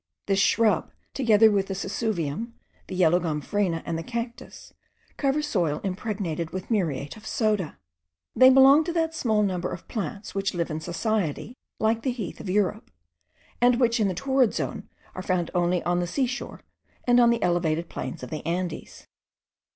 This shrub, together with the sesuvium, the yellow gomphrena, and the cactus, cover soil impregnated with muriate of soda; they belong to that small number of plants which live in society like the heath of Europe, and which in the torrid zone are found only on the seashore, and on the elevated plains of the Andes.